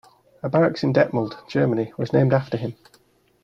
A barracks in Detmold, Germany was named after him.